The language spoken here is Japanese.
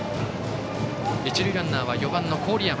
一塁ランナーは、４番の郡山。